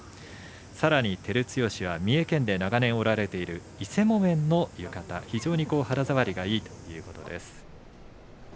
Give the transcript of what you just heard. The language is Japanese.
さらに照強は三重県で長年織られている伊勢木綿の浴衣、非常に肌触りがいいということです。